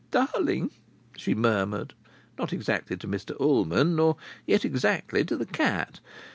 "Darling!" she murmured, not exactly to Mr Ullman, nor yet exactly to the cat.